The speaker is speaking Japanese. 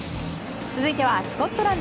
続いてはスコットランド。